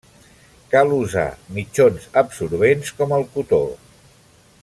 Cal usar mitjons absorbents, com el cotó.